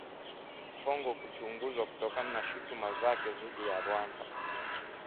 Kongo kuchunguzwa kutokana na shutuma zake dhidi ya Rwanda